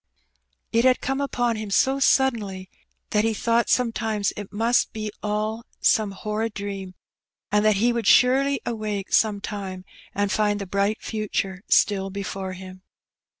It had come upon him so suddenly that he thought sometimes it must be all some horrid dream, and that he would surely awake some time and find the bright future still before him.